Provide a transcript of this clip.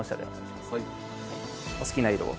お好きな色を。